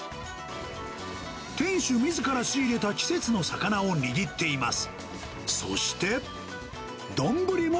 店主みずから仕入れた季節の魚を握っています。